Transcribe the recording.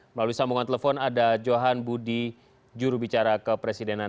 melalui sambungan telepon ada johan budi juru bicara kepresidenan